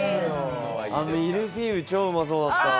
ミルフィーユ、超うまそうだった。